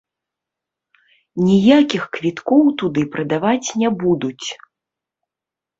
Ніякіх квіткоў туды прадаваць не будуць.